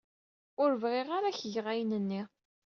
Ur bɣiɣ ara ad ak-geɣ ayen-nni.